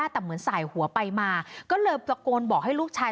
แต่เหมือนสายหัวไปมาก็เลยตะโกนบอกให้ลูกชาย